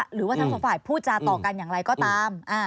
หรือว่าทั้งสองฝ่ายพูดจาต่อกันอย่างไรก็ตาม